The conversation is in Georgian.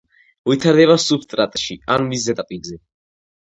ვითარდება სუბსტრატში ან მის ზედაპირზე.